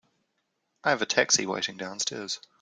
I have a taxi waiting downstairs.